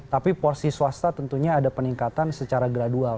tapi porsi swasta tentunya ada peningkatan secara gradual